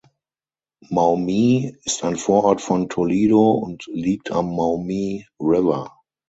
Maumee ist ein Vorort von Toledo und liegt am Maumee River.